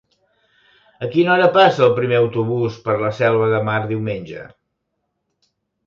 A quina hora passa el primer autobús per la Selva de Mar diumenge?